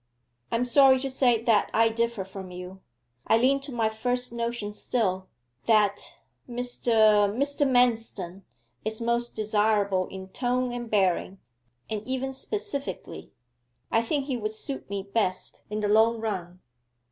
'I am sorry to say that I differ from you; I lean to my first notion still that Mr. Mr. Manston is most desirable in tone and bearing, and even specifically; I think he would suit me best in the long run.